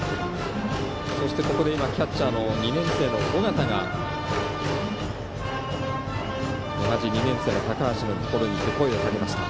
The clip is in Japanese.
そして、ここでキャッチャーの２年生の尾形が同じ２年生の高橋のところに行って声をかけました。